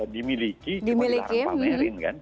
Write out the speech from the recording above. dimiliki cuma dilarang pamerin kan